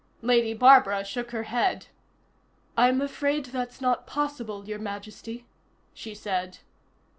Lady Barbara shook her head. "I'm afraid that's not possible, Your Majesty," she said.